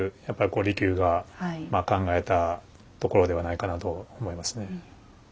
やっぱりこう利休がまあ考えたところではないかなと思いますね。